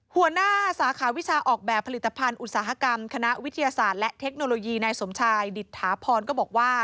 หัวหน้าสาขาวิชาออกแบบผลิตภัณฑ์อุตสาหกรรมคณะวิทยาศาสตร์และเทคโนโลยีนายสมชายดิตถาพรก็บอกว่า